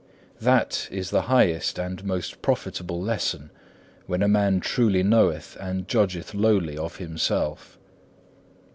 4. That is the highest and most profitable lesson, when a man truly knoweth and judgeth lowly of himself.